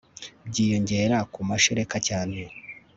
byiyongera ku mashereka cyane